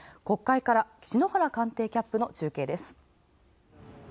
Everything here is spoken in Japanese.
篠原官邸キャップの中継です。